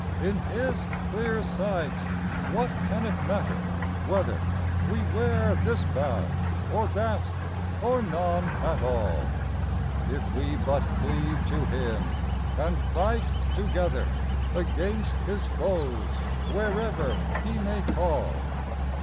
In His clear sight what can it matter whether We wear this badge or that, or none at all, If we but cleave to Him, and fight together Against His foes, wherever He may call